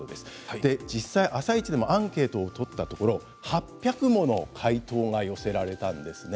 実際「あさイチ」でもアンケートを取ったところ８００もの回答が寄せられました。